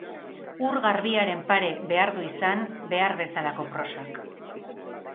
Ur garbiaren pare behar du izan behar bezalako prosak